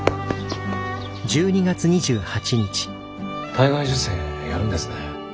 体外受精やるんですね。